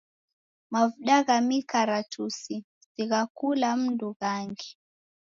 Mavuda gha mikaratusi si gha kula mndu ghangi.